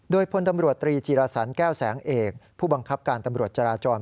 โดยพลตำรวจตรีจีรสันแก้วแสงเอกผู้บังคับการตำรวจจราจร